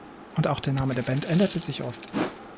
Und auch der Name der Band änderte sich oft.